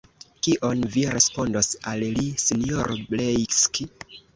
Kion vi respondos al li, sinjoro Bjelski?